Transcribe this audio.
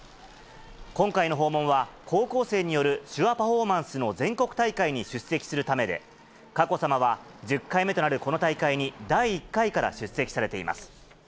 今回の訪問は、高校生による手話パフォーマンスの全国大会に出席するためで、佳子さまは、１０回目となるこの大会に第１回から出席されています。